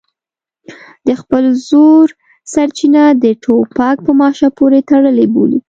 د خپل زور سرچینه د ټوپک په ماشه پورې تړلې بولي.